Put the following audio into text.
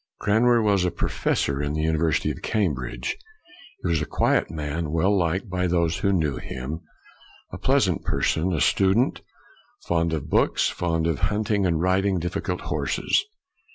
Cranmer was a professor in the Uni versity of Cambridge. He was a quiet man, well liked by those who knew him, a pleasant person, a student, fond of books, fond also of hunting, and of riding difficult horses.